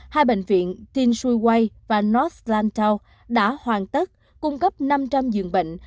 hai bệnh viện tien shui wei và north lantau đã hoàn tất cung cấp năm trăm linh dường bệnh